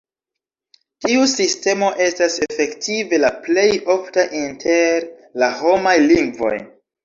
Tiu sistemo estas efektive la plej ofta inter la homaj lingvoj.